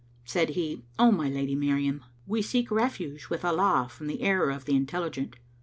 Said he, "O my lady Miriam, we seek refuge with Allah from the error of the intelligent!"